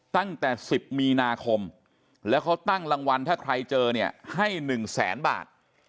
ตั้งแต่๑๐มีนาคมแล้วเขาตั้งรางวัลถ้าใครเจอเนี่ยให้๑แสนบาท